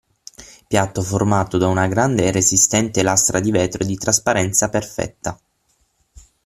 Piatto formato da una grande e resistente lastra di vetro di trasparenza perfetta.